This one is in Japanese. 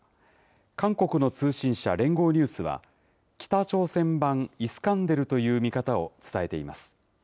韓国の通信社、連合ニュースは、北朝鮮版イスカンデルという見方を伝えています。